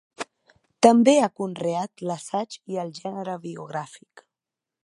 També ha conreat l'assaig i el gènere biogràfic.